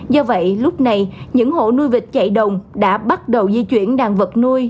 do vậy lúc này những hộ nuôi vịt chạy đồng đã bắt đầu di chuyển đàn vật nuôi